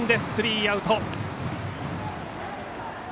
スリーアウト。